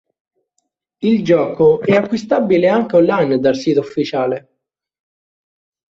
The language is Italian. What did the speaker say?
Il gioco è acquistabile anche online dal sito ufficiale.